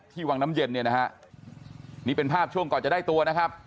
วังน้ำเย็นเนี่ยนะฮะนี่เป็นภาพช่วงก่อนจะได้ตัวนะครับ